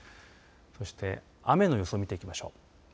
そして雨の予想を見ていきましょう。